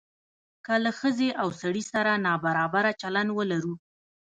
که له ښځې او سړي سره نابرابر چلند ولرو.